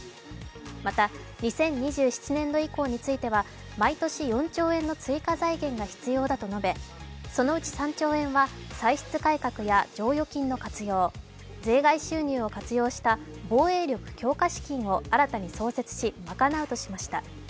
また２０２７年度以降については、毎年４兆円の追加財源が必要だと述べそのうち３兆円は、歳出改革や剰余金の活用、税外収入を活用した防衛力強化資金を新たに創設し賄うとしました。